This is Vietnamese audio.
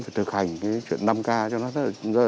phải thực hành cái chuyện năm k cho nó rất là